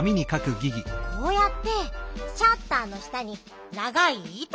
こうやってシャッターの下にながいいたを入れる。